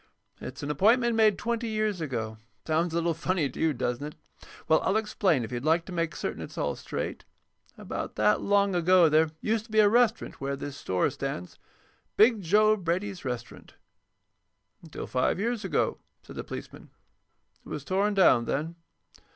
It's an appointment made twenty years ago. Sounds a little funny to you, doesn't it? Well, I'll explain if you'd like to make certain it's all straight. About that long ago there used to be a restaurant where this store stands—'Big Joe' Brady's restaurant." "Until five years ago," said the policeman. "It was torn down then."